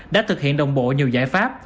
đã thực hiện đồng bộ nhiều giải pháp